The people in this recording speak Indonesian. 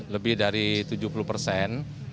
lebih dari tujuh puluh persen